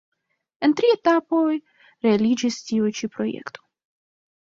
En tri etapoj realiĝis tiu ĉi projekto.